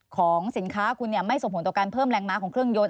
ของสินค้าคุณไม่ส่งผลต่อการเพิ่มแรงม้าของเครื่องยนต